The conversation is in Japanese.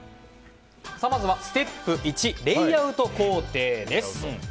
まずはステップ１レイアウト工程です。